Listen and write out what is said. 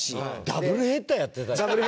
ダブルヘッダーをやったり。